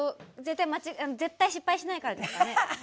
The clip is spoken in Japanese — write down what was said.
絶対失敗しないからですからね？